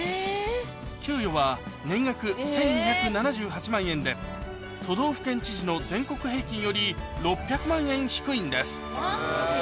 給与は年額１２７８万円で都道府県知事の全国平均より６００万円低いんです